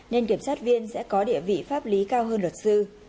nên kiểm sát viên sẽ có địa vị pháp lý cao hơn luật sư